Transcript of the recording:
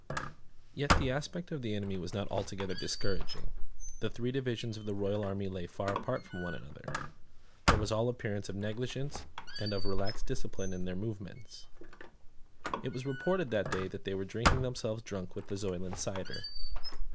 Yet the aspect of the enemy was not altogether discouraging. The three divisions of the royal army lay far apart from one another. There was all appearance of negligence and of relaxed discipline in all their movements. It was reported that they were drinking themselves drunk with the Zoyland cider.